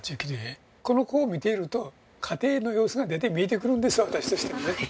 この子を見ていると家庭の様子が見えてくるんです私としてもね。